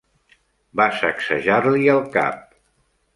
Va sacsejar-li el cap.